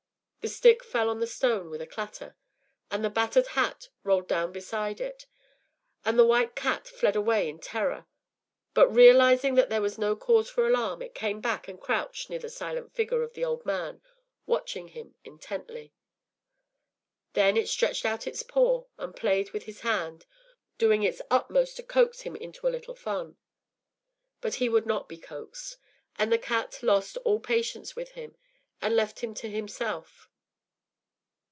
The stick fell on the stone with a clatter, and the battered hat rolled down beside it, and the white cat fled away in terror; but realising that there was no cause for alarm, it came back and crouched near the silent figure of the old man, watching him intently. Then it stretched out its paw and played with his hand, doing its utmost to coax him into a little fun; but he would not be coaxed, and the cat lost all patience with him, and left him to himself.